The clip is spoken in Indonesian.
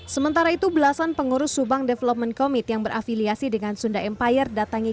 sementara itu belasan pengurus subang development committe yang berafiliasi dengan sunda empire datangi